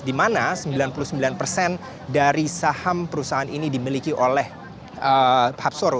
di mana sembilan puluh sembilan persen dari saham perusahaan ini dimiliki oleh hapsoro